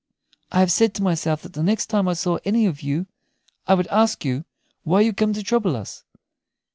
"I have said to myself that the next time I saw any of you I would ask you why you come to trouble us.